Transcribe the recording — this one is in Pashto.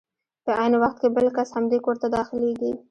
په عین وخت کې بل کس همدې کور ته داخلېږي.